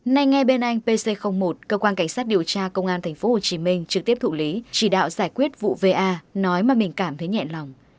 nay nghe bên anh pc một cơ quan cảnh sát điều tra công an tp hcm trực tiếp thụ lý chỉ đạo giải quyết vụ va nói mà mình cảm thấy nhẹn lòng